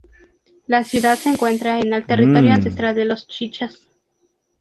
La ciudad se encuentra en el territorio ancestral de los chichas.